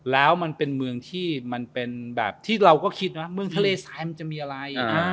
แล้วมันเป็นเมืองที่เราก็คิดเมืองทะเลซ้ายมันจะมีอะไร